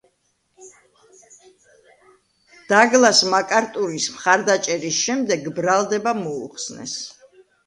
დაგლას მაკარტურის მხარდაჭერის შემდეგ ბრალდება მოუხსნეს.